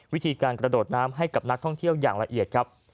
วิธีการกระโดดน้ำให้กับนักท่องเที่ยวอย่างละเอียดครับ